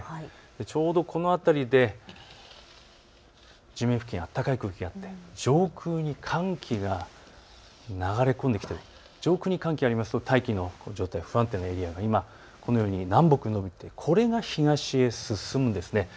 ちょうどこの辺りで地面付近、暖かい空気があって上空に寒気が流れ込んできている、上空に寒気があると大気の状態不安定なエリア、南北にあってこれが東へ進むんです。